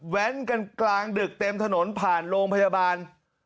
กันกลางดึกเต็มถนนผ่านโรงพยาบาล